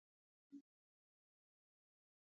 مک ارتر نه شوای کولای چې د حرکت مخه ډپ کړي.